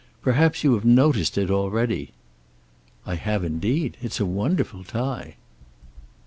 Perhaps you have noticed it already." "I have indeed. It's a wonderful tie."